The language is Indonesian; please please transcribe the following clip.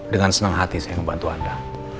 dengan senang hati saya membantu anda